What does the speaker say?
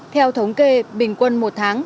theo thống kê bình quân một tháng